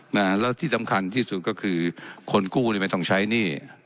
แล้วที่สำคัญที่สุดก็คือคนกู้นี่ไม่ต้องใช้หนี้